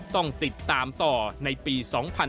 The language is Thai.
ต้องติดตามต่อในปี๒๕๕๙